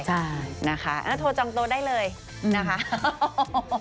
ใช่นะคะโทรจองโต๊ะได้เลยนะคะ